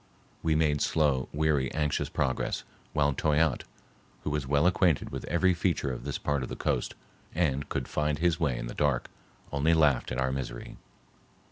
We made slow, weary, anxious progress while Toyatte, who was well acquainted with every feature of this part of the coast and could find his way in the dark, only laughed at our misery.